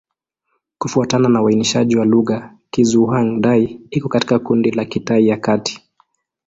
Kufuatana na uainishaji wa lugha, Kizhuang-Dai iko katika kundi la Kitai ya Kati.